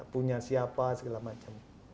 punya siapa segala macam